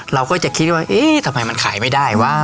เราก็จะคิดว่าเอ๊ะทำไมมันขายไม่ได้วะ